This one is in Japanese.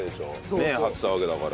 根張ってたわけだから。